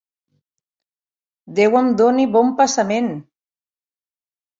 Déu em doni bon passament!